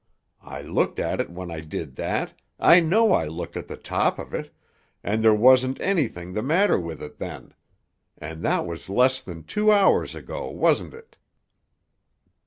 I looked at it when I did that—I know I looked at the top of it, and there wasn't anything the matter with it then—and that was less than two hours ago, wasn't it?"